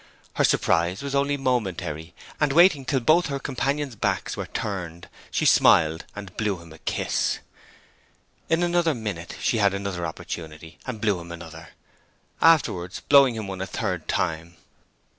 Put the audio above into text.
Her surprise was only momentary; and waiting till both her companions' backs were turned she smiled and blew him a kiss. In another minute she had another opportunity, and blew him another; afterwards blowing him one a third time.